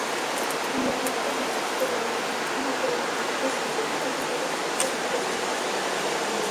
Viljaliha rohekaskollane kuni tumekollane, keskmise tihedusega, hapukasmagus.